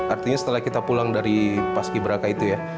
artinya setelah kita pulang dari paski beraka itu ya